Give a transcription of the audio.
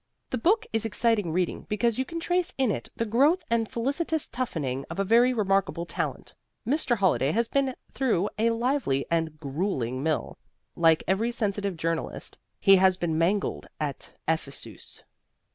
The book is exciting reading because you can trace in it the growth and felicitous toughening of a very remarkable talent. Mr. Holliday has been through a lively and gruelling mill. Like every sensitive journalist, he has been mangled at Ephesus.